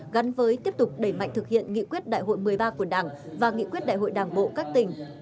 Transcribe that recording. gắn với tiếp tục đẩy mạnh thực hiện nghị quyết đại hội một mươi ba của đảng và nghị quyết đại hội đảng bộ các tỉnh